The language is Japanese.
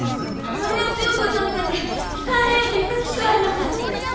胸を強く打ったみたいで気管変位と皮下気腫があります。